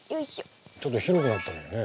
ちょっと広くなったのよね。